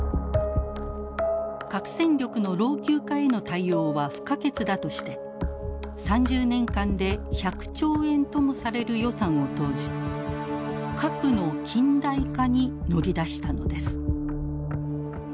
核戦力の老朽化への対応は不可欠だとして３０年間で１００兆円ともされる予算を投じ核の近代化に乗り出したのです。